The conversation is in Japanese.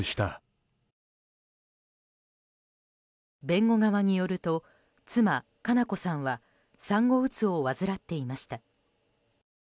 弁護側によると妻・佳菜子さんは産後うつを患っていました。